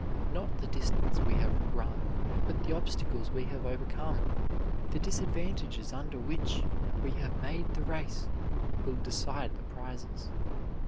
Not the distance we have run, but the obstacles we have overcome, the disadvantages under which we have made the race, will decide the prizes.